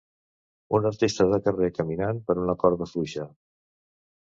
Un artista de carrer caminant per una corda fluixa.